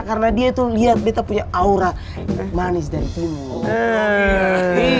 karena dia tuh liat betta punya aura manis dari tim